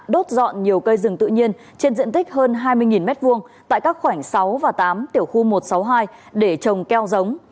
đốt dọn nhiều cây rừng tự nhiên trên diện tích hơn hai mươi m hai tại các khoảnh sáu và tám tiểu khu một trăm sáu mươi hai để trồng keo giống